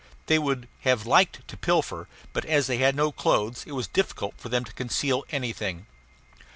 They would have liked to pilfer; but as they had no clothes it was difficult for them to conceal anything.